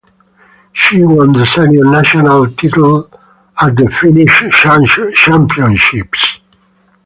She won the senior national title at the Finnish Championships.